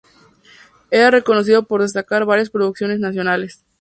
Era reconocido por destacar varias producciones nacionales.